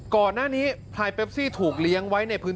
ก่อนหน้านี้พลายเป็ปซี่ถูกเลี้ยงไว้ในพื้น